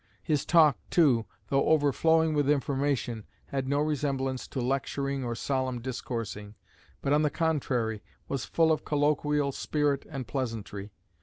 His talk, too, though overflowing with information, had no resemblance to lecturing or solemn discoursing, but, on the contrary, was full of colloquial spirit and pleasantry.